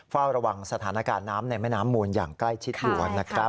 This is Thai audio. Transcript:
เฝ้าระวังสถานการณ์น้ำในแม่น้ำมูลอย่างใกล้ชิดด่วนนะครับ